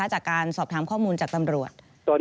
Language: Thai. จากการสอบถามข้อมูลจากตำรวจ